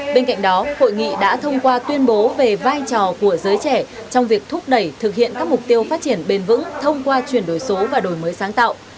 bên cạnh đó hội nghị đã thông qua tuyên bố về vai trò của giới trẻ trong việc thúc đẩy thực hiện các mục tiêu phát triển bền vững thông qua chuyển đổi số và đổi mới sáng tạo